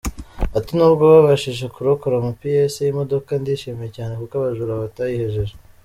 Ati: “N’ubwo babashije kurokora amapiyese y’imodoka, ndishimye cyane kuko abajura batayihejeje.